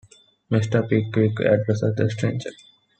Mr. Pickwick addressed the stranger.